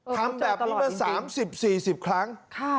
ทำแบบนี้มา๓๐๔๐ครั้ง